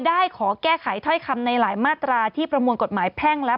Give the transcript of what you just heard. ได้ขอแก้ไขถ้อยคำในหลายมาตราที่ประมวลกฎหมายแพ่งและ